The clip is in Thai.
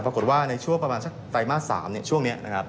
ปรากฏว่าในช่วงประมาณสักไตรมาส๓ช่วงนี้นะครับ